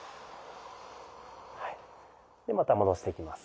でまた戻していきます。